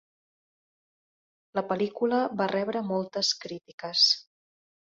La pel·lícula va rebre moltes crítiques.